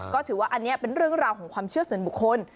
ก็ถือว่าอันนี้เป็นเรื่องราวของความเชื่อส่วนบุคคล